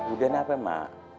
udah kenapa ma